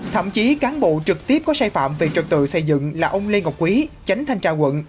thậm chí cán bộ trực tiếp có sai phạm về trật tự xây dựng là ông lê ngọc quý chánh thanh tra quận